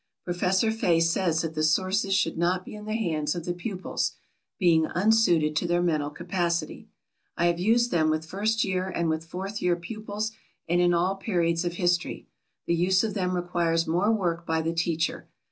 Professor Fay says that the sources should not be in the hands of the pupils, "being unsuited to their mental capacity." I have used them with first year and with fourth year pupils, and in all periods of history. The use of them requires more work by the teacher.